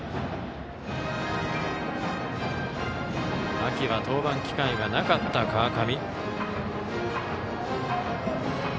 秋は登板機会がなかった川上。